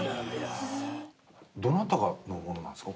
どなたのものなんですか？